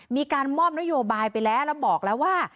มีการมอบนโยบายไปแล้วแล้วบอกแล้วว่า